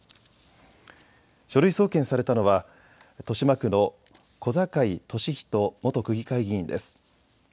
書類送検されたのは豊島区の古堺稔人元区議会議員です。